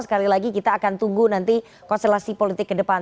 sekali lagi kita akan tunggu nanti konstelasi politik ke depan